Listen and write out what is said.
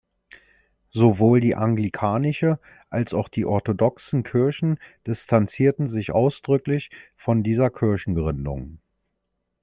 Sowohl die anglikanische als auch die orthodoxen Kirchen distanzierten sich ausdrücklich von dieser Kirchengründung.